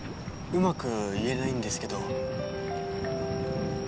うまく言えないんですけど。